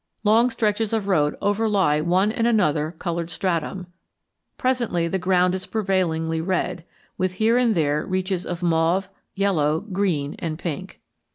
Long stretches of road overlie one and another colored stratum; presently the ground is prevailingly red, with here and there reaches of mauve, yellow, green, and pink.